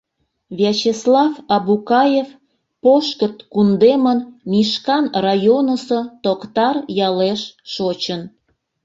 Вячеслав Абукаев Пошкырт кундемын Мишкан районысо Токтар ялеш шочын.